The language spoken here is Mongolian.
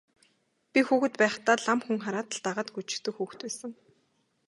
Би хүүхэд байхдаа лам хүн хараад л дагаад гүйчихдэг хүүхэд байсан.